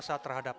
tidak bener tidak